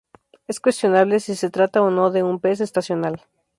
Es cuestionable si se trata o no de un pez estacional.